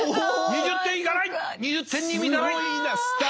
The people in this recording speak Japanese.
２０点に満たない。